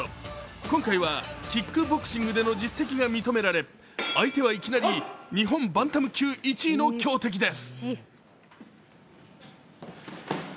今回はキックボクシングでの実績が認められ相手はいきなり日本バンタム級１位の強敵です。